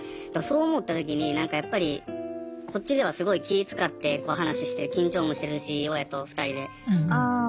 そう思った時になんかやっぱりこっちではすごい気遣って話して緊張もしてるし親と２人で。